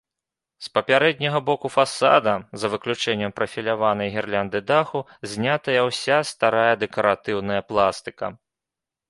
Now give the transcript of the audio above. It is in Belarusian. З пярэдняга боку фасада, за выключэннем прафіляванай гірлянды даху, знятая ўся старая дэкаратыўная пластыка.